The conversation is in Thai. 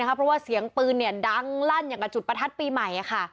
เพราะว่าเสียงปืนดังลั่นอย่างกับจุดประทัดปีใหม่